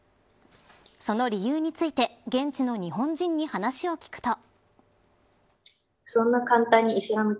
その理由について現地の日本人に話を聞くと。